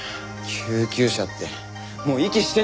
救急車って。